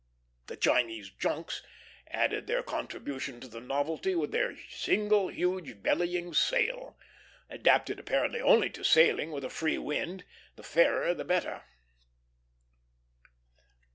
The Japanese junks added their contribution to the novelty with their single huge bellying sail, adapted apparently only to sailing with a free wind, the fairer the better.